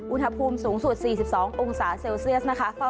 อุณหภูมิสูงสุด๔๒องศาเซลเซียสนะคะ